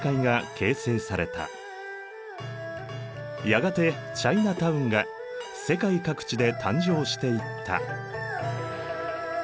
やがてチャイナ・タウンが世界各地で誕生していった。